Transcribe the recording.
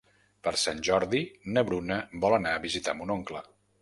Per Sant Jordi na Bruna vol anar a visitar mon oncle.